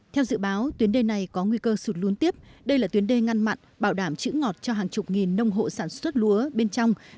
theo dự báo tuyến đê này có nguy cơ sụt lún tiếp đây là tuyến đê ngăn mặn bảo đảm chữ ngọt cho hàng chục nghìn nông hộ sản xuất lúa bên trong